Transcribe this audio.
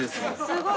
すごい。